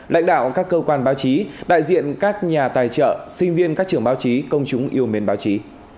lãnh đạo các cơ quan báo chí đại diện các nhà tài trợ sinh viên các trưởng báo chí công chúng yêu mến báo chí